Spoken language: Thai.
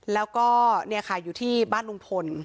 แล้วก็อยู่ที่บ้านลุงพล